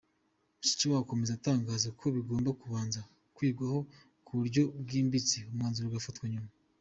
Mushikiwabo akomeza atangaza ko bigomba kubanza kwigwaho ku buryo bwimbitse, umwanzuro ugafatwa nyuma.